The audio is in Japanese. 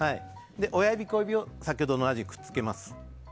親指、小指を先ほどと同じくくっつけます。